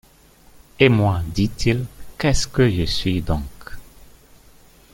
Et moi, dit-il, qu’est-ce que je suis donc?